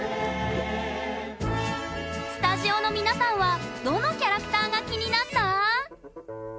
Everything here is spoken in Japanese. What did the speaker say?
スタジオの皆さんはどのキャラクターが気になった？